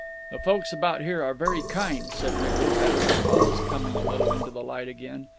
"The folks about here are very kind," said Miggles, after a pause, coming a little into the light again.